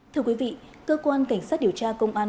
thưa quý vị cơ quan cảnh sát điều tra công an